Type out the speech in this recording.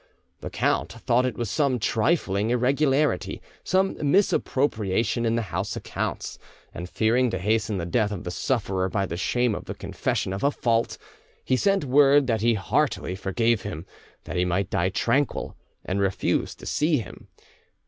The count thought it was some trifling irregularity, some misappropriation in the house accounts; and fearing to hasten the death of the sufferer by the shame of the confession of a fault, he sent word that he heartily forgave him, that he might die tranquil, and refused to see him.